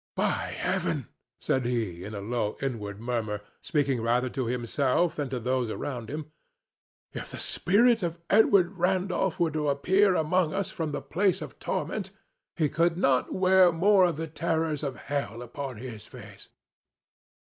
"By Heaven!" said he, in a low inward murmur, speaking rather to himself than to those around him; "if the spirit of Edward Randolph were to appear among us from the place of torment, he could not wear more of the terrors of hell upon his face."